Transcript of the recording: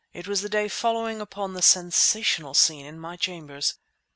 It was the day following upon the sensational scene in my chambers.